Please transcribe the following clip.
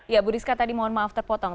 ya bu rizka tadi mohon maaf terpotong